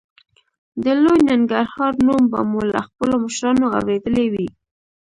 د لوی ننګرهار نوم به مو له خپلو مشرانو اورېدلی وي.